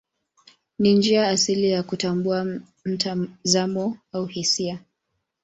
Ni njia asili ya kutambua mtazamo au hisia.